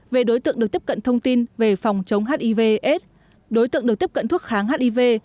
về đối tượng được tiếp cận thông tin về phòng chống hivs đối tượng được tiếp cận thuốc kháng hiv